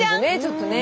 ちょっとね。